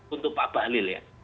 untuk pak bahlil ya